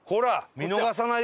見逃さないよ